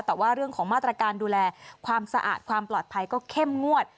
แต่ว่าเรื่องของมาตรการดูแลความสะอาดความปลอดภัยก็เข้มงวด